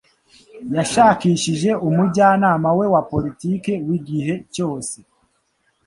yashakishije umujyanama we wa politiki w'igihe cyose